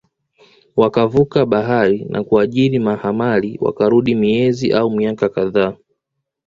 wakavuka bahari na kuajiri mahamali Wakarudi miezi au miaka kadhaa